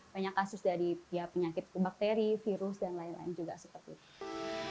banyak kasus dari penyakit bakteri virus dan lain lain juga seperti itu